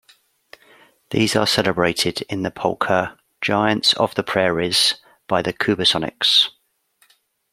These are celebrated in the polka "Giants of the Prairies" by the Kubasonics.